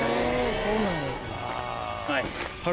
そうなんや。